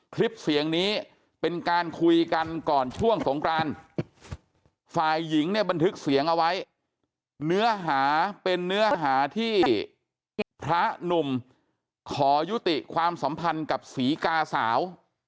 คลิปเสียงนี้เป็นการคุยกันก่อนช่วงสงกรานฝ่ายหญิงเนี่ยบันทึกเสียงเอาไว้เนื้อหาเป็นเนื้อหาที่พระหนุ่มขอยุติความสัมพันธ์กับศรีกาสาว